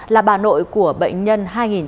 là bà nội của bệnh nhân hai nghìn chín trăm một mươi hai